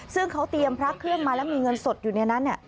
ซึ่งเขาเตรียมพระเครื่องมาแล้วมีเงินสดอยู่ในนั้น